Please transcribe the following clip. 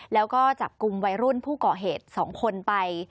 แล้วก็จับกลุ่มวัยรุ่นผู้ก่อเหตุ๒คนไป